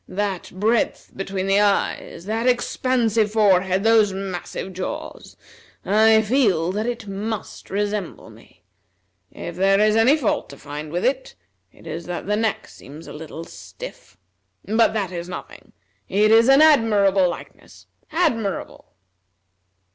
That breadth between the eyes, that expansive forehead, those massive jaws! I feel that it must resemble me. If there is any fault to find with it, it is that the neck seems a little stiff. But that is nothing. It is an admirable likeness, admirable!"